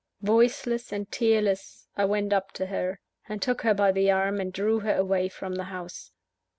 Voiceless and tearless, I went up to her, and took her by the arm, and drew her away from the house.